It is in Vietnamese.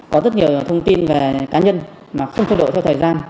có rất nhiều thông tin về cá nhân mà không cho đội theo thời gian